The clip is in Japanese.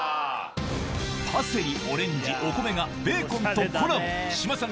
パセリオレンジお米がベーコンとコラボ志麻さん